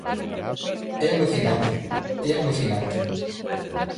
É alucinante, é alucinante.